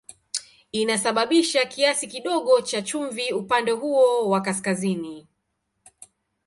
Inasababisha kiasi kidogo cha chumvi upande huo wa kaskazini.